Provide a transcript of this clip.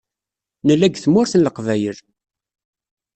Nella deg Tmurt n Leqbayel.